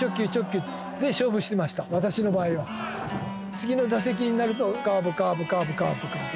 次の打席になるとカーブカーブカーブカーブカーブ。